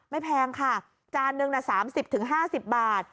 ไม่แพงค่ะจานหนึ่งน่ะ๓๐๕๐บาท